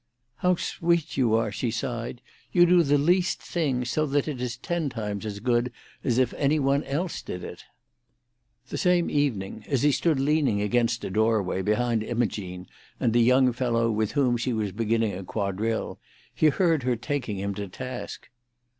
"How sweet you are!" she sighed. "You do the least thing so that it is ten times as good as if any one else did it." The same evening, as he stood leaning against a doorway, behind Imogene and a young fellow with whom she was beginning a quadrille, he heard her taking him to task.